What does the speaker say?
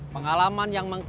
pengalaman yang mengkrisi